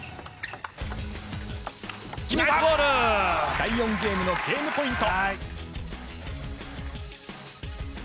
第４ゲームのゲームポイント。